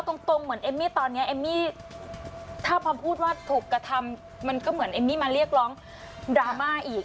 ตรงเหมือนเอมมี่ตอนนี้เอมมี่ถ้าพอพูดว่าถูกกระทำมันก็เหมือนเอมมี่มาเรียกร้องดราม่าอีก